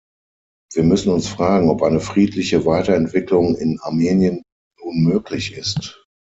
Wir müssen uns fragen, ob eine friedliche Weiterentwicklung in Armenien nun möglich ist.